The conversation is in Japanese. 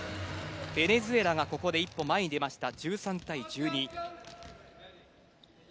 ベネズエラがここで一歩前に出ました、１３対１２。